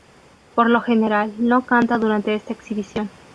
Por lo general, no canta durante esta exhibición.